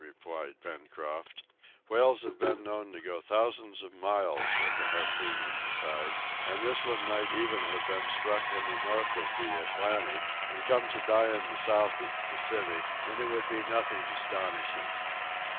replied Pencroft. "Whales have been known to go thousands of miles with a harpoon in the side, and this one might even have been struck in the north of the Atlantic and come to die in the south of the Pacific, and it would be nothing astonishing."